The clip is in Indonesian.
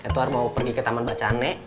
tuhar mau pergi ke taman bacaan nek